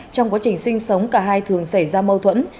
trong quá trình sinh sống cả hai thường xảy ra mâu thuẫn